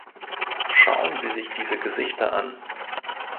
Schauen Sie sich diese Gesichter an.